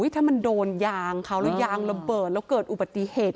ถ้ามันโดนยางเขาแล้วยางระเบิดแล้วเกิดอุบัติเหตุ